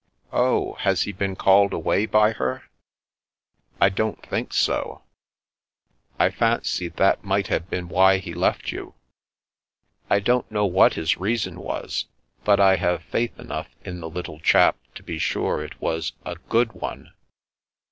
" Oh, has he been called away by her? "" I don't think so." " I fancied th^t might have been why he left you." " I don't know what his reason was, but I have faith enough in the little chap to be sure it was a good one!'